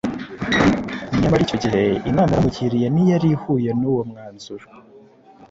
Nyamara icyo gihe inama bamugiriye ntiyari ihuye n’uwo mwanzuro